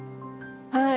はい。